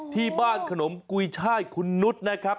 ที่บ้านขนมกุยช่ายคุณนุษย์นะครับ